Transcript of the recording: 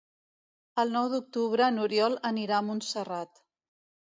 El nou d'octubre n'Oriol anirà a Montserrat.